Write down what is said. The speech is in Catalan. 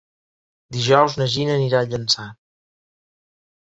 Dijous na Gina anirà a Llançà.